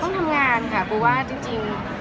ต้องทำงานค่ะเพราะว่าจริง